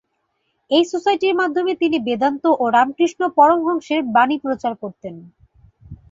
এই সোসাইটির মাধ্যমে তিনি বেদান্ত ও রামকৃষ্ণ পরমহংসের বাণী প্রচার করতেন।